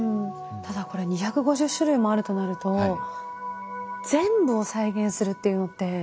ただこれ２５０種類もあるとなると全部を再現するっていうのって。